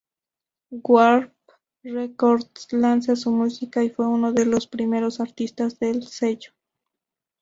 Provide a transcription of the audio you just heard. Warp Records lanza su música y fue uno de los primeros artistas del sello.